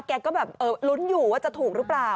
แกก็แบบลุ้นอยู่ว่าจะถูกหรือเปล่า